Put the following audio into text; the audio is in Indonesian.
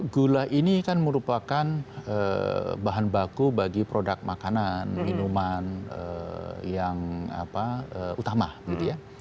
gula ini kan merupakan bahan baku bagi produk makanan minuman yang utama gitu ya